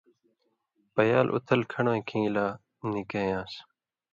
پیال اُتھل کھن٘ڑوَیں کھِن٘گی لا نکی یان٘س،